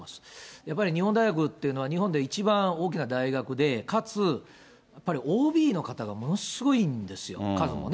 やっぱり日本大学というのは日本で一番大きな大学で、かつＯＢの方がものすごいんですよ、数がね。